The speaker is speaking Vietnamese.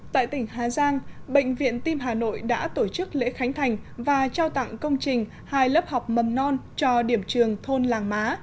tại tỉnh hà giang bệnh viện tim hà nội đã tổ chức lễ khánh thành và trao tặng công trình hai lớp học mầm non cho điểm trường thôn làng má